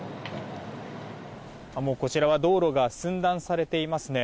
こちらは道路が寸断されていますね。